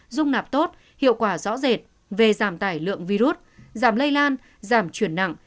dung nạp tốt hiệu quả rõ rệt về giảm tải lượng virus giảm lây lan giảm chuyển nặng